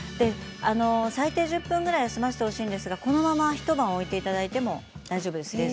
最低１０分ぐらい、休ませてほしいんですがこのまま一晩ぐらい置いても大丈夫です。